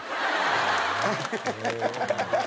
ハハハハ！